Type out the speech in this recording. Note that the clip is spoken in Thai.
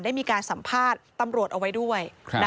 ได้มีการสัมภาษณ์ตำรวจเอาไว้ด้วย